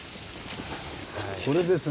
これですね。